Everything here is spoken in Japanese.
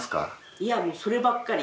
いやもうそればっかり。